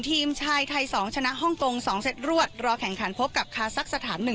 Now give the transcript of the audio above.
ทีมชายไทย๒ชนะฮ่องกง๒เซตรวดรอแข่งขันพบกับคาซักสถาน๑